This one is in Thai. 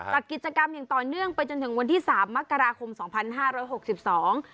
จัดกิจกรรมอย่างต่อเนื่องไปจนถึงวันที่สามมกราคมสองพันห้าร้อยหกสิบสอง